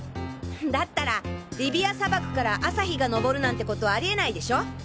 だったらリビア砂漠から朝日がのぼるなんてことありえないでしょ？